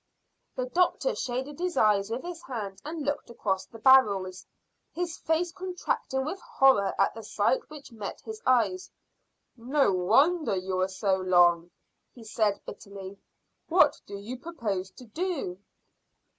The doctor shaded his eyes with his hand and looked across at the barrels, his face contracting with horror at the sight which met his eyes. "No wonder you were so long," he said bitterly. "What do you propose to do?"